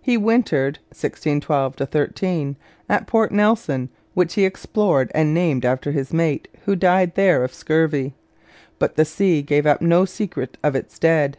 He wintered (1612 13) at Port Nelson, which he explored and named after his mate, who died there of scurvy; but the sea gave up no secret of its dead.